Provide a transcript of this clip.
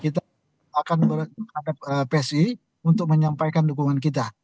kita akan berhadap psi untuk menyampaikan dukungan kita